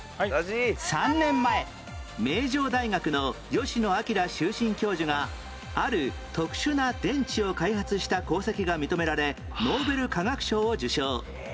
３年前名城大学の吉野彰終身教授がある特殊な電池を開発した功績が認められノーベル化学賞を受賞